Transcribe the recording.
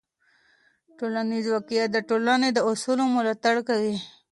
ټولنیز واقیعت د ټولنې د اصولو ملاتړ کوي.